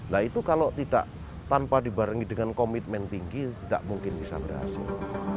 nah itu kalau tidak tanpa dibarengi dengan komitmen tinggi tidak mungkin bisa berhasil